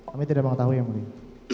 kami tidak mau tahu ya muridnya